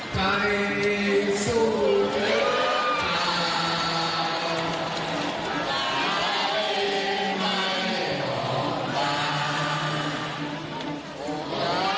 จำนานไม่มีโมง